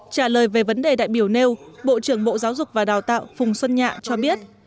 trả lời về vấn đề đại biểu nêu bộ trưởng bộ giáo dục và đào tạo phùng xuân nhạ cho biết